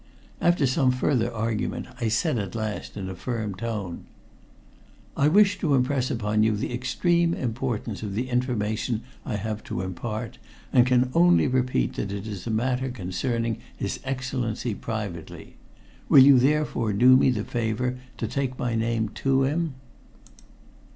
After some further argument, I said at last in a firm tone: "I wish to impress upon you the extreme importance of the information I have to impart, and can only repeat that it is a matter concerning his Excellency privately. Will you therefore do me the favor to take my name to him?"